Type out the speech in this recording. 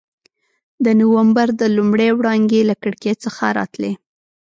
د نومبر د لمر وړانګې له کړکۍ څخه راتلې.